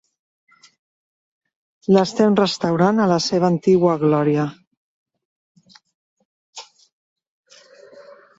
L'estem restaurant a la seva antiga glòria.